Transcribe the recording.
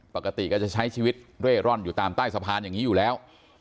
ปกติก็จะใช้ชีวิตเร่ร่อนอยู่ตามใต้สะพานอย่างนี้อยู่แล้ว